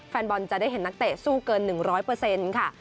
แฟนบอลจะได้เห็นนักเตะสู้เกิน๑๐๐ค่ะ